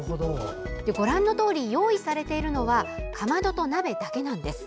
ご覧のとおり用意されているのはかまどと鍋だけなんです。